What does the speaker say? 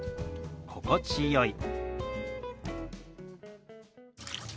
「心地よい」。